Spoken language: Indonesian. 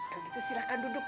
kalau gitu silahkan duduk